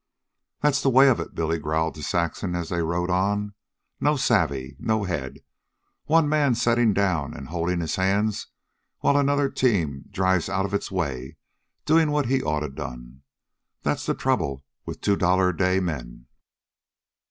"That's the way of it," Billy growled to Saxon as they rode on. "No savve. No head. One man settin' down an' holdin his hands while another team drives outa its way doin what he oughta done. That's the trouble with two dollar a day men."